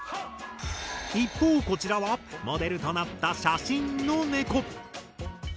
一方こちらはモデルとなった写真のネコ。